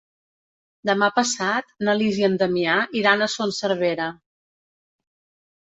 Demà passat na Lis i en Damià iran a Son Servera.